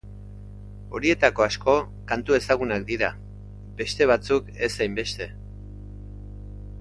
Horietako asko kantu ezagunak dira, beste batzuk ez hainbeste.